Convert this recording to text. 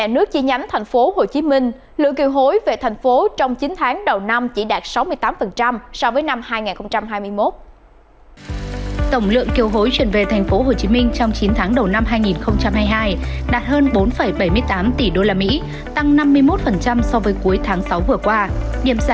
năm hai nghìn hai mươi một kiều hối về việt nam đạt khoảng một mươi hai năm tỷ đô la mỹ tăng một mươi so với năm hai nghìn hai mươi